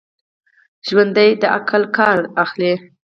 ژوندي د عقل کار اخلي